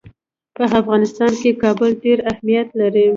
په افغانستان کې کابل ډېر اهمیت لري.